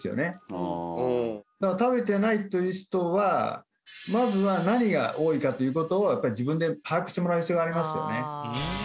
うん食べてないという人はまずは何が多いかということをやっぱり自分で把握してもらう必要がありますよね